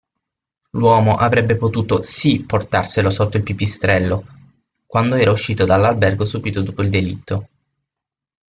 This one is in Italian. L'uomo avrebbe potuto, sì, portarselo sotto il pipistrello, quando era uscito dall'albergo subito dopo il delitto.